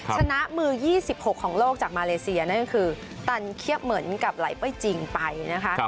ชนะมือ๒๖ของโลกจากมาเลเซียนั่นก็คือตันเคียบเหมือนกับไหลเป้ยจริงไปนะคะ